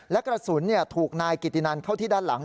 และกระสุนถูกนายกิตินันเข้าที่ด้านหลัง